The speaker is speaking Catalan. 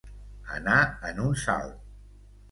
Anar en un salt.